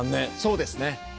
そうですね。